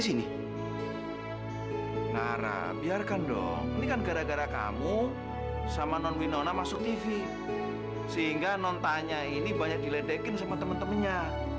sampai jumpa di video selanjutnya